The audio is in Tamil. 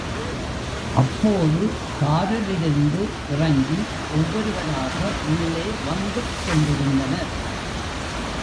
அப்போது காருலிருந்து இறங்கி ஒவ்வொருவ ராக உள்ளே வந்துக் கொண்டிருந்தனர்.